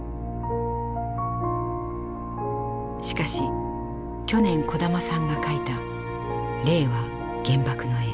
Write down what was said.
しかし去年小玉さんが描いた「令和原爆の絵」。